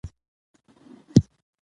د ترنګ اوبه غاړه تر غاړې بهېږي.